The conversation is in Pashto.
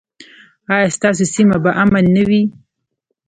ایا ستاسو سیمه به امن نه وي؟